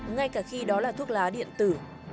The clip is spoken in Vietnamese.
ngay cả khi đó là thuốc lá điện tử